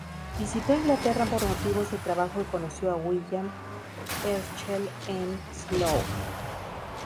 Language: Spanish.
Visitó Inglaterra por motivos de trabajo y conoció a William Herschel en Slough.